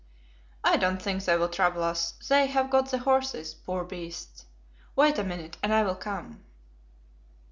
"I don't think they will trouble us, they have got the horses, poor beasts. Wait a minute and I will come."